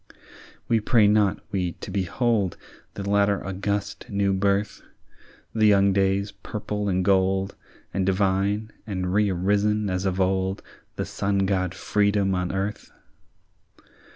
"We pray not, we, to behold The latter august new birth, The young day's purple and gold, And divine, and rerisen as of old, The sun god Freedom on earth.